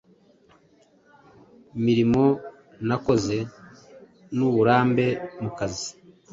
Imirimo nakoze n’uburambe mu kazi: